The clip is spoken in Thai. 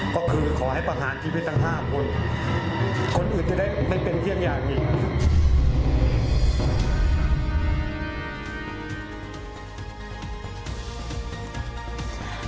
ก็คือขอให้ประหารชีวิตทั้ง๕คนคนอื่นจะได้ไม่เป็นเยี่ยงอย่างอีก